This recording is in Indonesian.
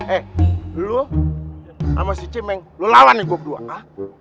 eh lu sama si cimeng lu lawan nih gua berdua ha